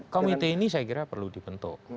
komite ini saya kira perlu dibentuk